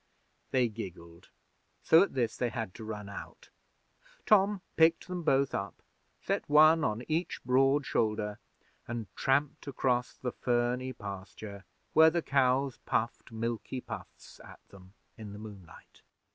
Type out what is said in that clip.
They giggled so at this that they had to run out. Tom picked them both up, set one on each broad shoulder, and tramped across the ferny pasture where the cows puffed milky puffs at them in the moonlight.